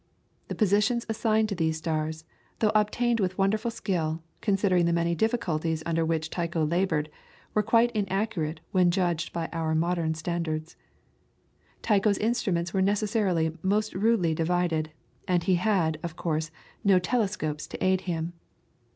The positions assigned to these stars, though obtained with wonderful skill, considering the many difficulties under which Tycho laboured, were quite inaccurate when judged by our modern standards. Tycho's instruments were necessarily most rudely divided, and he had, of course, no telescopes to aid him.